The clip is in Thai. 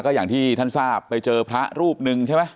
ก็อย่างที่ท่านทราบไปเจอพระรูปหนึ่งใช่ไหม